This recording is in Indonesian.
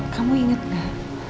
kamu inget gak